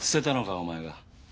お前が。